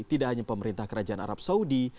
tidak hanya pemerintah kerajaan arab saudi